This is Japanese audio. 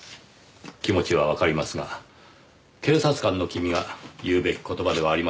気持ちはわかりますが警察官の君が言うべき言葉ではありません。